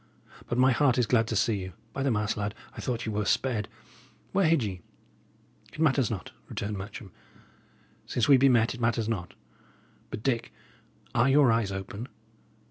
But my heart is glad to see you. By the mass, lad, I thought ye were sped! Where hid ye?" "It matters not," returned Matcham. "Since we be met, it matters not. But, Dick, are your eyes open?